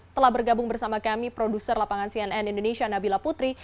telah bergabung bersama kami produser lapangan cnn indonesia nabila putri